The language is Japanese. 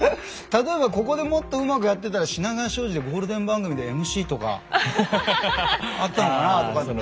例えばここでもっとうまくやってたら品川庄司でゴールデン番組でＭＣとかあったのかなあとかって。